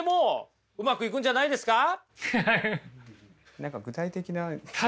何か具体的な。